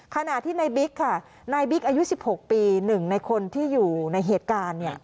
ขณะที่ในบิ๊กค่ะนายบิ๊กอายุ๑๖ปี๑ในคนที่อยู่ในเหตุการณ์เนี่ย